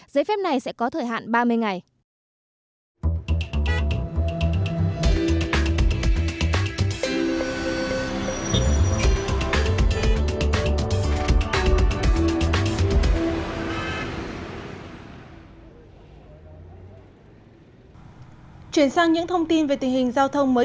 giấy phép này sẽ có thời hạn ba mươi ngày